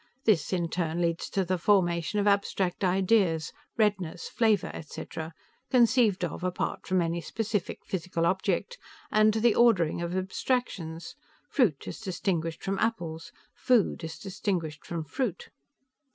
This, in turn, leads to the formation of abstract ideas redness, flavor, et cetera conceived of apart from any specific physical object, and to the ordering of abstractions 'fruit' as distinguished from apples, 'food' as distinguished from fruit."